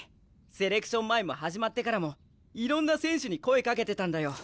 セレクション前も始まってからもいろんな選手に声かけてたんだよ。